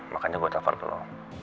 makanya gue telepon dulu